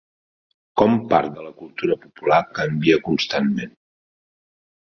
Com part de la cultura popular canvia constantment.